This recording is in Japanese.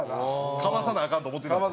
かまさなアカンと思ってたんです。